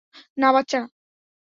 না, বাচ্চারা।